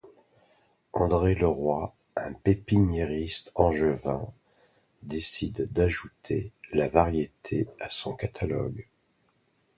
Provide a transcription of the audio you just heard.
André Leroy, un pépiniériste angevin, décide d'ajouter la variété à son catalogue.